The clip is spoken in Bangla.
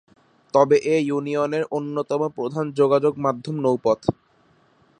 তবে এ ইউনিয়নের অন্যতম প্রধান যোগাযোগ মাধ্যম নৌপথ।